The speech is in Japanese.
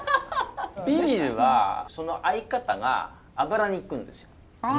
ビールはその合い方が脂にいくんですよ。